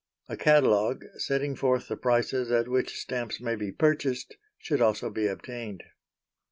A catalogue, setting forth the prices at which stamps may be purchased, should also be obtained.